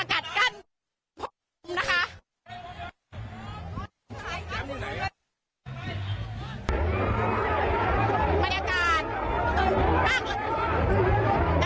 ค่ะแต่ยังไม่อ่านั่งไปดาวนี้นะคะตอนนี้